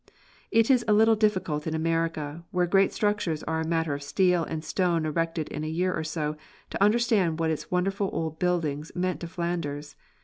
It is a little difficult in America, where great structures are a matter of steel and stone erected in a year or so, to understand what its wonderful old buildings meant to Flanders.